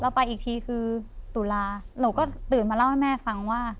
ไปอีกทีคือตุลาหนูก็ตื่นมาเล่าให้แม่ฟังว่า